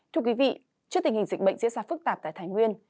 thưa quý vị trước tình hình dịch bệnh diễn ra phức tạp tại thái nguyên